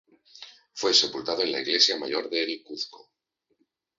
Fue sepultado en la Iglesia Mayor del Cuzco.